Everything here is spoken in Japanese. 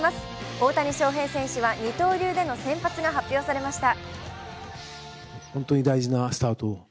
大谷翔平選手は二刀流での先発が発表されました。